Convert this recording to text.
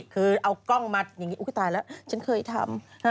คือเอากล้องมาอย่างนี้ก็ตายแล้วฉันเคยทำ